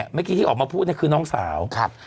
เมื่อกี้ที่ออกมาพูดเนี่ยคือน้องสาว